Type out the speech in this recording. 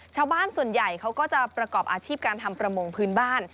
ชาวบ้านส่วนใหญ่เขาก็จะประกอบอาชีพการทำประมงพื้นบ้าน